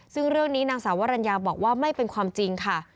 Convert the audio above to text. ซึ่งเรื่องนี้นางสาววรรณยาบอกว่าไม่เป็นความจริงค่ะ